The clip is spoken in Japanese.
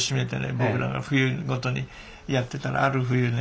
僕らが冬ごとにやってたらある冬ね